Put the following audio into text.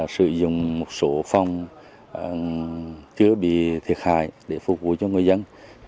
sử dụng một số phòng chưa bị thiệt hại để phục vụ cho người dân